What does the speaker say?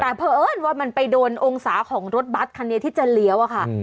แต่เพราะเอิญว่ามันไปโดนองศาของรถบัตรคันนี้ที่จะเลี้ยวอะค่ะ